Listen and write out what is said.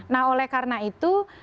nah oleh karena itu